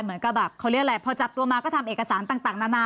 เหมือนกับแบบเขาเรียกอะไรพอจับตัวมาก็ทำเอกสารต่างนานา